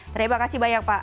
terima kasih banyak pak